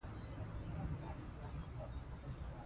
د ښه لیکدود لپاره په منطقه کي هغه يواځنۍ ژبه ده